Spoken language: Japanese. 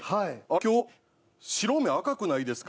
今日白目赤くないですか？